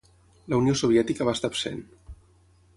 La Unió Soviètica va estar absent.